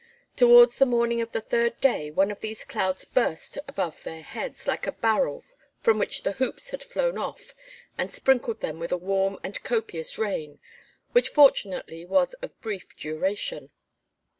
Towards the morning of the third day one of these clouds burst above their heads like a barrel from which the hoops had flown off and sprinkled them with a warm and copious rain which fortunately was of brief duration.